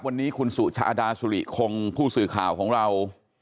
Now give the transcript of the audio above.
วันนี้คุณสุชาดาสุริคงผู้สื่อข่าวของเรา